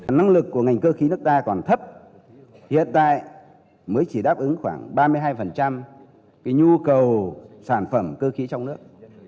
năng lực của ngành cơ khí nước ta còn thấp hiện tại mới chỉ đáp ứng khoảng ba mươi hai nhu cầu sản phẩm cơ khí trong nước